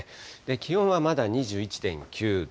気温はまだ２１．９度。